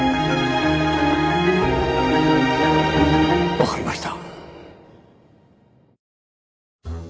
わかりました。